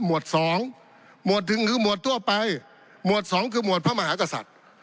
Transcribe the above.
วด๒หมวดหนึ่งคือหมวดทั่วไปหมวดสองคือหมวดพระมหากษัตริย์